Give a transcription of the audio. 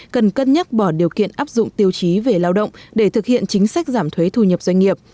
cần cân nhắc bỏ điều kiện áp dụng tiêu chí về lao động để thực hiện chính sách giảm thuế thu nhập doanh nghiệp